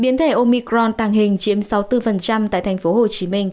biến thể omicron tàng hình chiếm sáu mươi bốn tại tp hcm